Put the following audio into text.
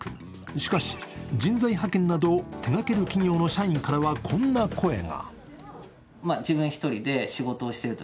しかし人材派遣などを手がける企業の社員からはこんな声が。